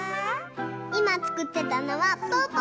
いまつくってたのはぽぅぽの！